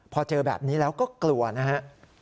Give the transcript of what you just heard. พอเจอแบบนี้แล้วก็กลัวนะฮะ